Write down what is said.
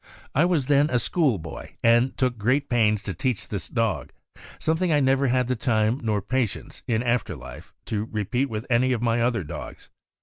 I was then a school boy, and took great pains to teach this dog; something I never had the time nor patience, in after life, to repeat with any of my other dogs.